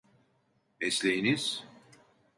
Mesleğiniz?